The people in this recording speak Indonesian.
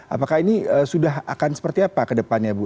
apakah ini sudah akan seperti apa ke depannya bu